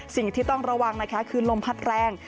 สิ่งที่ต้องระวังนะคะคือลมพัดแรง